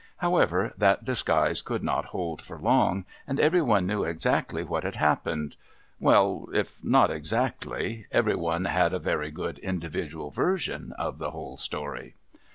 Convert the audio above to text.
However, that disguise could not hold for long, and every one knew exactly what had happened well, if not exactly, every one had a very good individual version of the whole story.